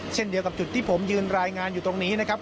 เช่นเดียวกับจุดที่ผมยืนรายงานอยู่ตรงนี้นะครับ